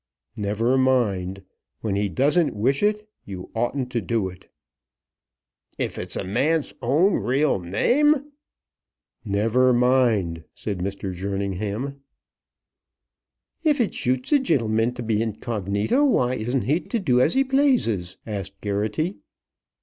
"Never mind. When he doesn't wish it, you oughtn't to do it!" "If it's a man's own real name!" "Never mind," said Mr. Jerningham. "If it shoots a gintleman to be incognito, why isn't he to do as he plaises?" asked Geraghty.